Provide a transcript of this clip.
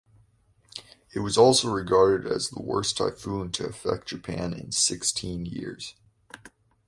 It was also regarded as the worst typhoon to affect Japan in sixteen years.